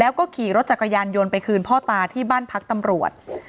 แล้วก็ขี่รถจักรยานยนต์ไปคืนพ่อตาที่บ้านพักตำรวจ